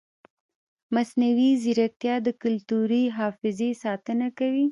مصنوعي ځیرکتیا د کلتوري حافظې ساتنه کوي.